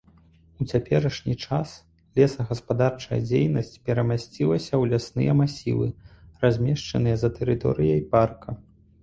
У цяперашні час лесагаспадарчая дзейнасць перамясцілася ў лясныя масівы, размешчаныя за тэрыторыяй парка.